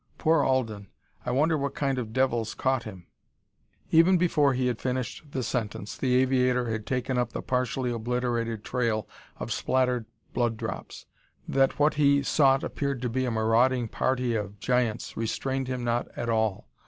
Poor Alden! I wonder what kind of devils caught him?" Even before he had finished the sentence the aviator had taken up the partially obliterated trail of spattered blood drops. That what he sought appeared to be a maraudering party of giants restrained him not at all.